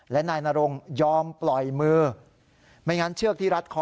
และนายนรงยอมปล่อยมือไม่งั้นเชือกที่รัดคอ